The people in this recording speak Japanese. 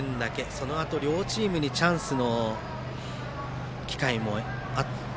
そのあと、両チームにチャンスの機会もあって。